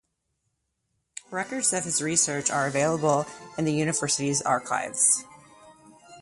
Records of his research are available in the university's archives.